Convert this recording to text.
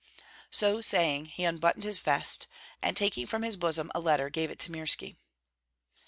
So saying, he unbuttoned his vest, and taking from his bosom a letter, gave it to Mirski.